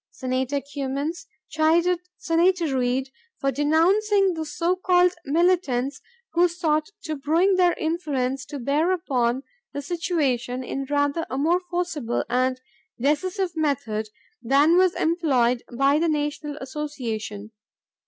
Senator Cummins chided Senator Reed for denouncing "the so called militants who sought to bring their influence to bear upon the situation in rather a more forcible and decisive method than was employed by the national association.